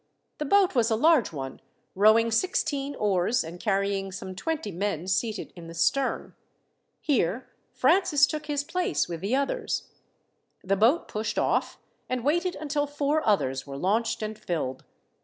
The boat was a large one, rowing sixteen oars and carrying some twenty men seated in the stern. Here Francis took his place with the others. The boat pushed off and waited until four others were launched and filled.